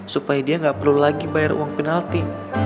supaya dia nggak perlu lagi bayar uang penalti